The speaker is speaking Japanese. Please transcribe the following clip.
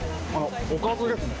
おかずですね。